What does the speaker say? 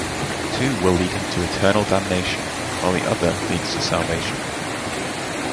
Two will lead him to eternal damnation, while the other leads to salvation.